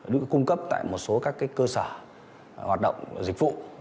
được cung cấp tại một số các cơ sở hoạt động dịch vụ